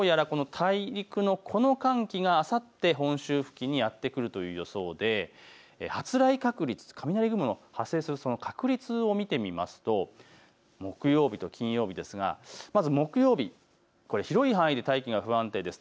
どうやら大陸のこの寒気があさって本州付近にやって来るという予想で発雷確率、雷雲の発生する確率を見てみますと木曜日と金曜日、まず木曜日、広い範囲で大気が不安定です。